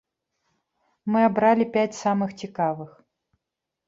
Мы абралі пяць самых цікавых.